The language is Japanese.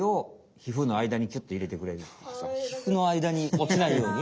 皮膚のあいだにおちないように？